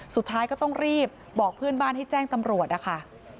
สุดท้ายก็ต้องรีบบอกเพื่อนบ้านให้แจ้งตำรวจนะคะ